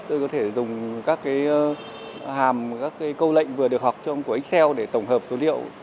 tôi có thể dùng các cái hàm các cái câu lệnh vừa được học trong của ánh xeo để tổng hợp số liệu